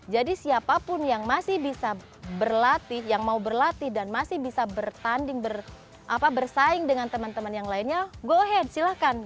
jadi siapapun yang masih bisa berlatih yang mau berlatih dan masih bisa bertanding bersaing dengan teman teman yang lainnya go ahead silahkan